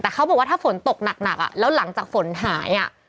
แต่เขาบอกว่าถ้าฝนตกหนักแล้วหลังจากฝนหาย